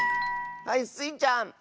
はいスイちゃん！